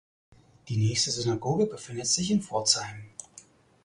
Die nächste Synagoge befindet sich in Pforzheim.